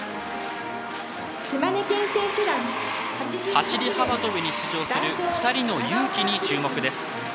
走り幅跳びに出場する２人の「ゆうき」に注目です。